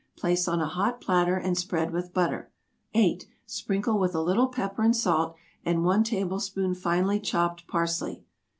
Place on a hot platter, and spread with butter. 8. Sprinkle with a little pepper and salt, and 1 tablespoon finely chopped parsley.